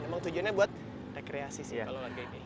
emang tujuannya buat rekreasi sih kalau olahraga ini